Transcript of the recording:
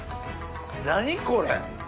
何これ！